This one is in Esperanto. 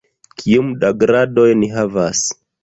Kiom da gradoj ni havas?